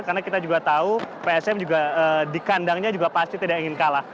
karena kita juga tahu psm di kandangnya juga pasti tidak ingin kalah